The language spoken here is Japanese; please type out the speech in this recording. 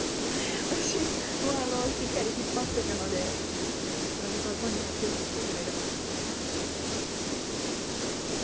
私もしっかり引っ張ってくのでどうにかこうにかついてきてくれればなと。